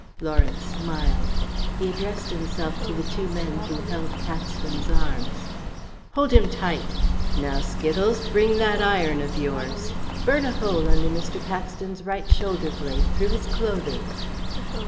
Lawrence smiled. He addressed himself to the two men who held Paxton's arms. "Hold him tight. Now, Skittles, bring that iron of yours. Burn a hole under Mr. Paxton's right shoulder blade, through his clothing."